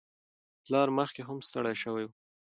پلار مخکې هم ستړی شوی و.